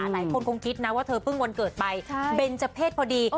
หลายคนคงคิดนะว่าเธอเพิ่งวันเกิดไปเบนเจอร์เพศพอดี